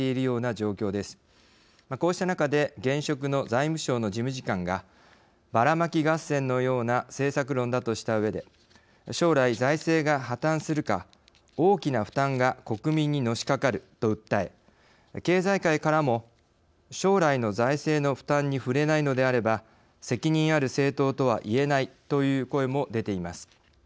こうした中で現職の財務省の事務次官がバラマキ合戦のような政策論だとしたうえで「将来財政が破綻するか大きな負担が国民にのしかかる」と訴え経済界からも「将来の財政の負担に触れないのであれば責任ある政党とは言えない」という声も出ています。